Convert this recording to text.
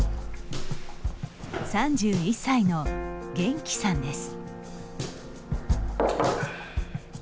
３１歳のゲンキさんです。